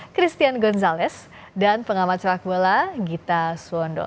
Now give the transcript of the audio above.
christian gonzalez dan pengamat sepak bola gita suwondo